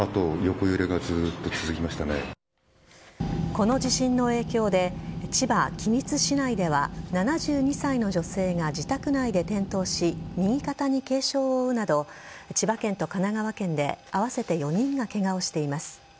この地震の影響で千葉・君津市内では７２歳の女性が自宅内で転倒し右肩に軽傷を負うなど千葉県と神奈川県で合わせて４人がケガをしています。